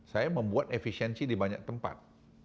saya membuat efisiensi di banyak tempat